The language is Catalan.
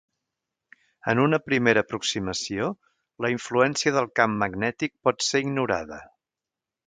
En una primera aproximació, la influència del camp magnètic pot ser ignorada.